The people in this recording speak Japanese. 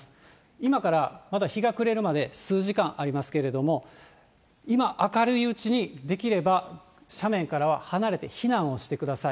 今からまだ日が暮れるまで数時間ありますけれども、今明るいうちに、できれば斜面からは離れて、避難をしてください。